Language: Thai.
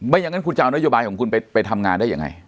อย่างนั้นคุณจะเอานโยบายของคุณไปทำงานได้ยังไง